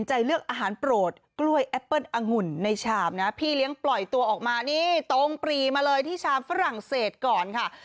แอปเปิ้ลองุ่นในชามนะพี่เลี้ยงปล่อยตัวออกมานี่ตรงปรีมาเลยที่ชามฝรั่งเศสก่อนค่ะ